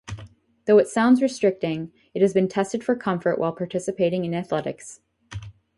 Though it sounds restricting, it has been tested for comfort while participating in athletics.